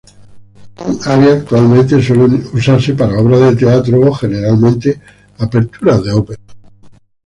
Un aria actualmente suele usarse para obras de teatro o, generalmente, aperturas de óperas.